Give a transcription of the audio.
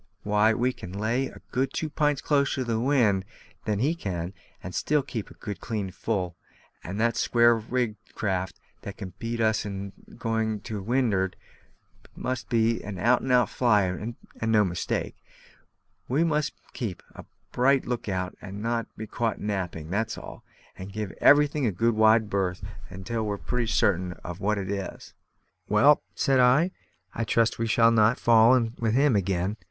Why, we can lay a good two pints closer to the wind than he can, and still keep a good clean full; and the square rigged craft that can beat us in going to wind'ard must be an out and out flyer, and no mistake. We must keep a bright look out, and not be caught napping, that's all; and give everything a good wide berth till we're pretty certain of what it is." "Well," said I, "I trust we shall not fall in with him again.